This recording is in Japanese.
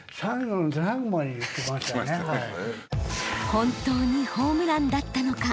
本当にホームランだったのか？